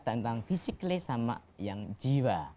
tentang fisikly sama yang jiwa